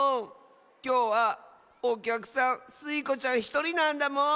きょうはおきゃくさんスイ子ちゃんひとりなんだもん。